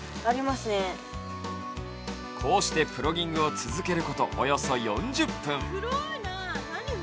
こうして、プロギングを続けることおよそ４０分。